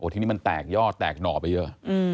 ทีนี้มันแตกยอดแตกหน่อไปเยอะ